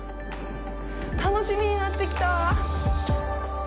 楽しみになってきた。